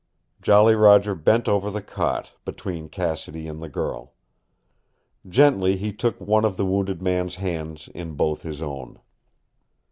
Jolly Roger bent over the cot, between Cassidy and the girl. Gently he took one of the wounded man's hands in both his own.